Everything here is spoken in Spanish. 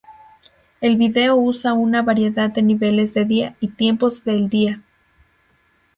El vídeo usa una variedad de niveles de día, y tiempos del día.